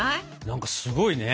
何かすごいね。